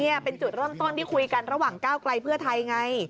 นี่เป็นจุดเริ่มต้นที่คุยกันระหว่างก้าวไกลเพื่อไทยไง